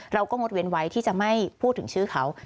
งดเว้นไว้ที่จะไม่พูดถึงชื่อเขา